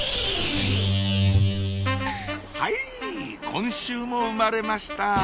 今週も生まれました